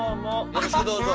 よろしくどうぞ。